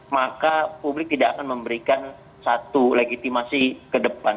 maka publik tidak akan memberikan satu legitimasi ke depan